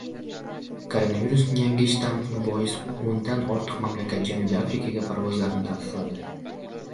Koronavirusning yangi shtammi bois o‘ndan ortiq mamlakat Janubiy Afrikaga parvozlarni taqiqladi